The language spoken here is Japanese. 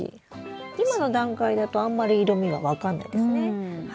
今の段階だとあんまり色みは分かんないですね。